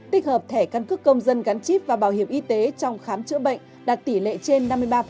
tích hợp thẻ căn cước công dân gắn chip và bảo hiểm y tế trong khám chữa bệnh đạt tỷ lệ trên năm mươi ba